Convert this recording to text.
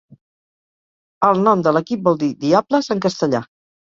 El nom de l'equip vol dir "diables" en castellà.